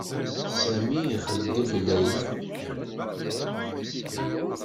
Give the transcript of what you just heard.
Sami ixeyyeb Layla.